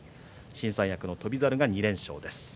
新三役の翔猿が２連勝です。